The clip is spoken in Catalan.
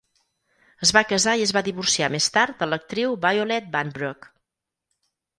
Es va casar i es va divorciar més tard de l"actriu Violet Vanbrugh.